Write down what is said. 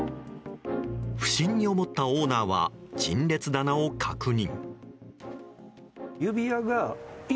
不審に思ったオーナーは陳列棚を確認。